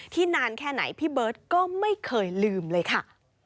นานแค่ไหนพี่เบิร์ตก็ไม่เคยลืมเลยค่ะ